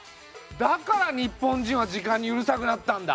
だから日本人は時間にうるさくなったんだ！